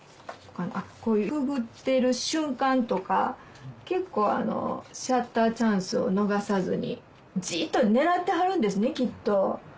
こういうくぐってる瞬間とか結構シャッターチャンスを逃さずにじっと狙ってはるんですねきっと。